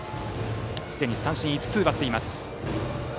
すでに三振を５つ奪っています。